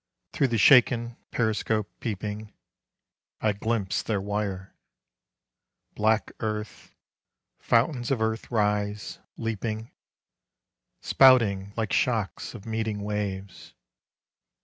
Through the shaken periscope peeping, I glimpse their wire: Black earth, fountains of earth rise, leaping, Spouting like shocks of meeting waves.